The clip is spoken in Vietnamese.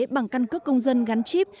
bằng căn cước công dân gắn chip